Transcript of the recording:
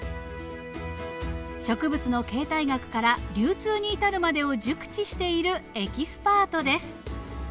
植物の形態学から流通に至るまでを熟知しているエキスパートです。